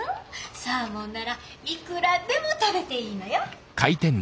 サーモンならいくらでも食べていいのよ。